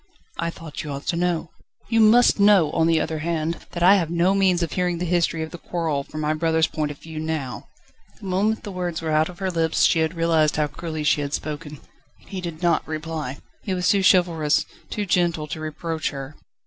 "I thought you ought to know." "You must know, on the other hand, that I have no means of hearing the history of the quarrel from my brother's point of view now." The moment the words were out of her lips she had realised how cruelly she had spoken. He did not reply; he was too chivalrous, too gentle, to reproach her.